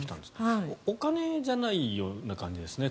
お金じゃないような感じですね。